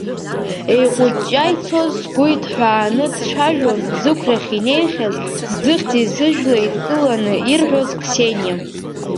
Еиҟәыҷҷаа ицоз сгәы иҭҳәааны дцәажәон зықәрахь инеихьаз, зыхьӡи зыжәлеи еидкыланы ирҳәоз қсениа.